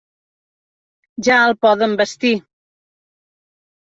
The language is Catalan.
Ja el poden vestir.